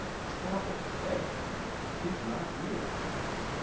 _Stop it, Red! She's not here.